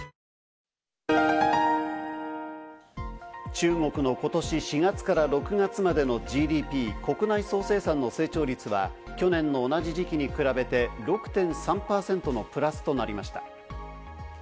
中国のことし４月から６月までのＧＤＰ＝国内総生産の成長率は去年の同じ時期に比べて６．３％のプラスとなりました。